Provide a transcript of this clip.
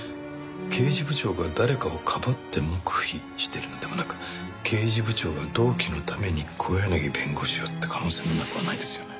刑事部長が誰かをかばって黙秘してるのではなく刑事部長が同期のために小柳弁護士をって可能性もなくはないですよね。